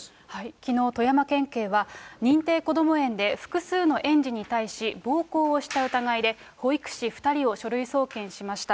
きのう、富山県警は認定こども園で複数の園児に対し、暴行をした疑いで、保育士２人を書類送検しました。